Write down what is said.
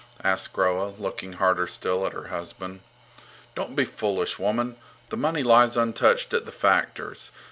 asked Groa, looking harder still at her husband. Don't be foolish, woman! The money lies untouched at the factor's.